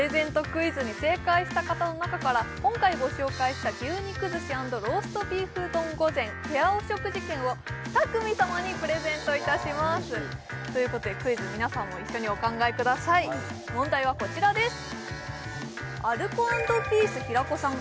クイズに正解した方の中から今回ご紹介した牛肉寿司＆ローストビーフ丼御膳ペアお食事券を２組様にプレゼントいたしますということでクイズ皆さんも一緒にお考えください問題はこちらです